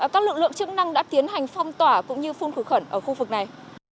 các lực lượng chức năng đã tiến hành phong tỏa cũng như phun khủy khẩn ở khu vực này